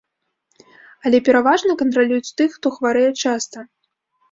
Але пераважна кантралююць тых, хто хварэе часта.